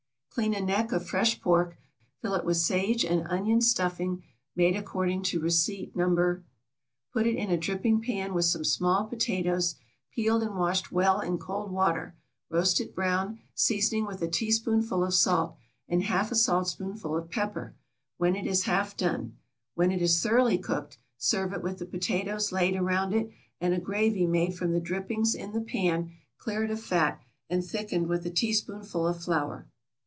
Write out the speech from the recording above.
= Clean a neck of fresh pork, fill it with sage and onion stuffing, made according to receipt No. ; put it in a dripping pan, with some small potatoes, peeled and washed well in cold water, roast it brown, seasoning with a teaspoonful of salt, and half a saltspoonful of pepper, when it is half done; when it is thoroughly cooked serve it with the potatoes laid around it, and a gravy made from the drippings in the pan cleared of fat, and thickened with a teaspoonful of flour.